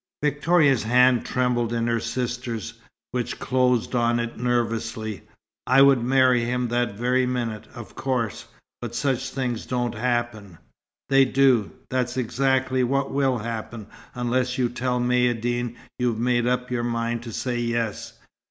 Victoria's hand trembled in her sister's, which closed on it nervously. "I would marry him that very minute, of course. But such things don't happen." "They do. That's exactly what will happen, unless you tell Maïeddine you've made up your mind to say 'yes'.